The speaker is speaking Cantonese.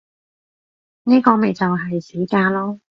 呢個咪就係市價囉